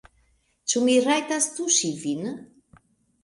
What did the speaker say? Ĉu mi rajtas tuŝi vin?